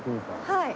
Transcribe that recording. はい。